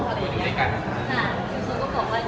เขาก็บอกว่า